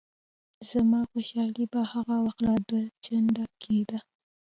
زما خوشحالي به هغه وخت لا دوه چنده کېده.